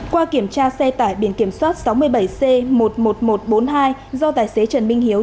qua kiểm tra xe tải biển kiểm soát sáu mươi bảy c một mươi một nghìn một trăm bốn mươi hai do tài xế trần minh hiếu